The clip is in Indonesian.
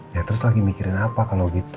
ya terus lagi mikirin apa kalau gitu